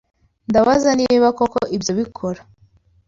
Ndabaza niba koko ibyo bikora.